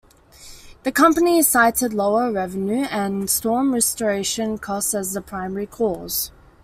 The company cited lower revenue and storm restoration costs as the primary cause.